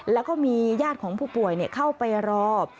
แล้วก็มีญาติของผู้ป่วยเข้าไปรอ